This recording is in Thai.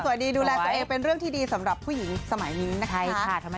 สวัสดีดูแลตัวเองเป็นเรื่องที่ดีสำหรับผู้หญิงสมัยนี้นะคะ